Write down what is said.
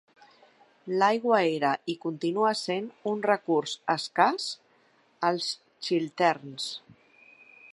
L'aigua era i continua sent un recurs escàs als Chilterns.